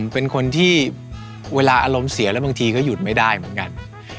เป็นคนที่เวลาอารมณ์เสียแล้วบางทีก็หยุดไม่ได้เหมือนกัน